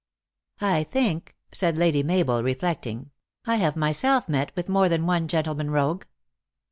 " I think," said Lady Mabel, reflecting, " I have myself met with more than one gentleman rogue."